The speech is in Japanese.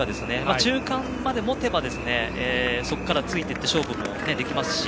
中間まで持てばそこからついていって勝負もできますし。